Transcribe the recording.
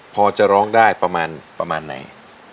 พอจะร้องได้ประมาณประมาณไหน